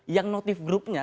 yang notif grupnya